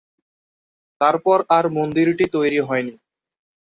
তারপর আর মন্দিরটি তৈরি হয়নি।